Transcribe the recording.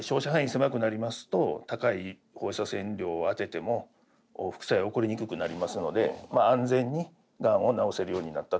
狭くなりますと高い放射線量を当てても副作用起こりにくくなりますので安全にがんを治せるようになったということでございます。